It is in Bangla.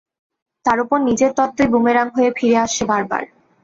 তার ওপর নিজের তত্ত্বই বুমেরাং হয়ে ফিরে আসছে বারবার।